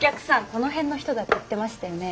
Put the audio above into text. この辺の人だって言ってましたよね。